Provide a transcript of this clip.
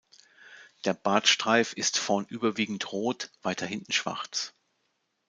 Der Bartstreif ist vorn überwiegend rot, weiter hinten schwarz.